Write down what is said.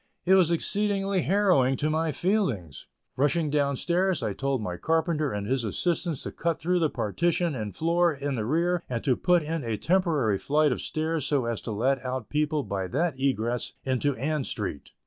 It was exceedingly harrowing to my feelings. Rushing down stairs, I told my carpenter and his assistants to cut through the partition and floor in the rear and to put in a temporary flight of stairs so as to let out people by that egress into Ann Street.